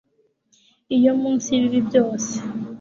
Iyo munsi yibibi byose